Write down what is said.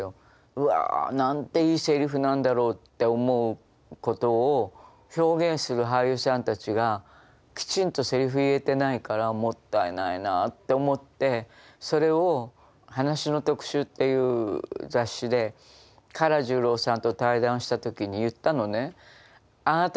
うわ何ていいセリフなんだろうって思うことを表現する俳優さんたちがきちんとセリフ言えてないからもったいないなって思ってそれを「話の特集」っていう雑誌で唐十郎さんと対談した時に言ったのね。